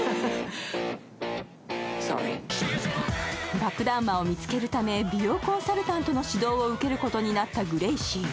爆弾魔を見つけるため、美容コンサルタントの指導を受けることになったグレイシー。